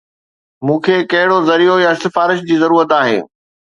مون کي ڪهڙو ذريعو يا سفارش جي ضرورت آهي؟